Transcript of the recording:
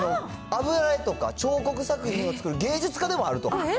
油絵とか彫刻作品を創る芸術家でもあると。